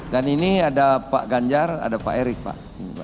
dan ini ada pak ganjar ada pak erick pak